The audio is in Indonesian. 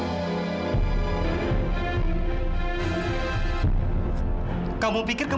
jangan sampai ia tak hicinkan